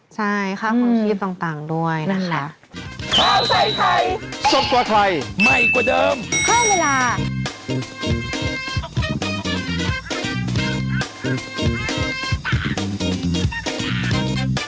ใช่ได้ข้ามความชีพต่างด้วยนะคะนั่นแหละ